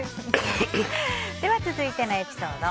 続いてのエピソード。